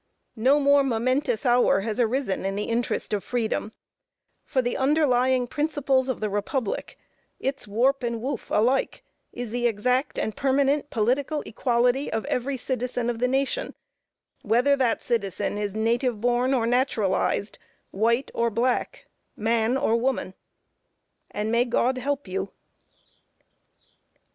No more momentous hour has arisen in the interest of freedom, for the underlying principles of the republic, its warp and woof alike, is the exact and permanent political equality of every citizen of the nation, whether that citizen is native born or naturalized, white or black, man or woman. And may God help you.